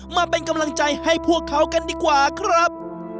มาเป็นกำลังใจให้พวกเขากันดีกว่าครับ